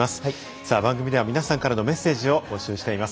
さあ、番組では皆さんからのメッセージを募集しています。